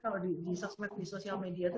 kalau di sosmed di sosial media itu